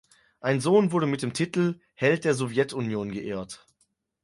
Ein Sohn wurde mit dem Titel „Held der Sowjetunion“ geehrt.